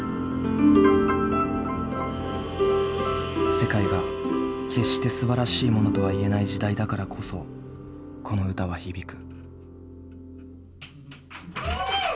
世界が決して素晴らしいものとは言えない時代だからこそこの歌は響く。